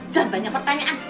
jangan banyak pertanyaan